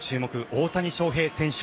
大谷翔平選手。